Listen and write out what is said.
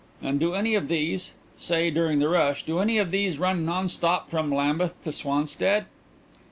"And do any of those say, during the rush do any of those run non stop from Lambeth to Swanstead?"